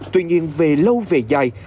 tuy nhiên về lâu về dài